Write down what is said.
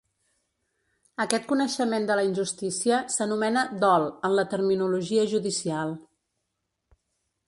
Aquest coneixement de la injustícia s’anomena ‘dol’ en la terminologia judicial.